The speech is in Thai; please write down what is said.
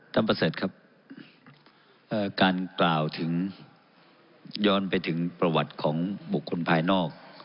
ประเสริฐครับการกล่าวถึงย้อนไปถึงประวัติของบุคคลภายนอก